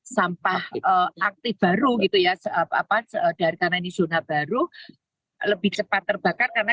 sampah aktif baru gitu ya apa apa dari karena ini zona baru lebih cepat terbakar karena